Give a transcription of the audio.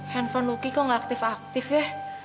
handphone lucky kok gak aktif aktif ya